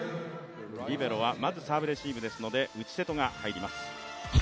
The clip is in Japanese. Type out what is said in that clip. リベロはまずサーブレシーブですので内瀬戸が入ります。